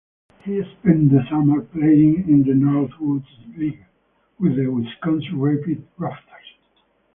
He spent the summer playing in the Northwoods League with the Wisconsin Rapids Rafters.